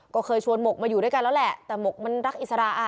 ก็เคยชวนหมกมาอยู่ด้วยกันแล้วแหละแต่หมกมันรักอิสระ